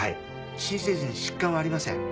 新生児に疾患はありません。